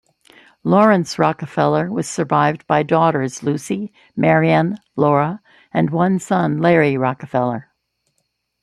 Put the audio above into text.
Laurance Rockefeller was survived by daughters Lucy, Marion, Laura, and one son Larry Rockefeller.